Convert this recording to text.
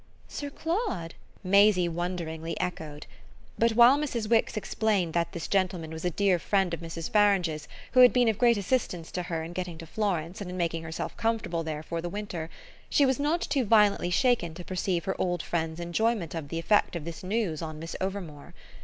"Sir Claude?" Maisie wonderingly echoed. But while Mrs. Wix explained that this gentleman was a dear friend of Mrs. Farange's, who had been of great assistance to her in getting to Florence and in making herself comfortable there for the winter, she was not too violently shaken to perceive her old friend's enjoyment of the effect of this news on Miss Overmore.